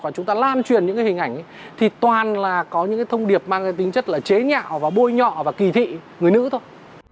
còn chúng ta lan truyền những cái hình ảnh thì toàn là có những cái thông điệp mang cái tính chất là chế nhạo và bôi nhọ và kỳ thị người nữ thôi